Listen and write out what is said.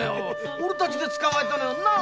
オレたちが捕まえたのよ。なぁ。